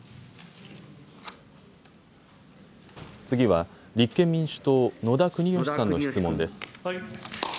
次は、立憲民主党、野田国義さんの質問です。